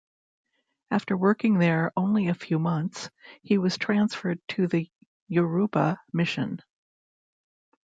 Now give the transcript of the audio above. After working there only a few months, he was transferred to the Yoruba mission.